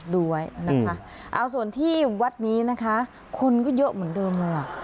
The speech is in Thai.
ไว้นะคะเอาส่วนที่วัดนี้นะคะคนก็เยอะเหมือนเดิมเลยอ่ะ